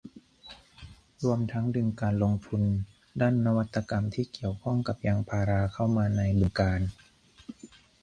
รวมทั้งดึงการลงทุนด้านนวัตกรรมที่เกี่ยวข้องกับยางพาราเข้ามาในบึงกาฬ